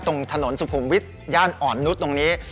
ตรงถนนสุขุมวิทย่านอ่อนนุษย์ตรงนี้